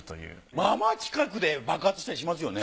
まぁまぁ近くで爆発したりしますよね。